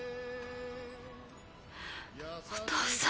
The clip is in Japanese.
お父さん。